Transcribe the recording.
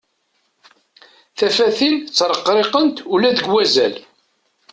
Tafatin ttreqriqent ula deg wazal.